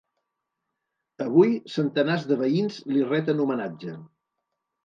Avui centenars de veïns li reten homenatge.